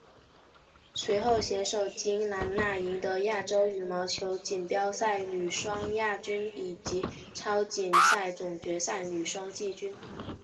随后携手金荷娜赢得亚洲羽毛球锦标赛女双亚军以及超级赛总决赛女双季军。